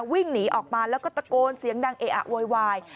วิ่งหนีออกมาแล้วก็ตะโกนเสียงดังเออะโวยวาย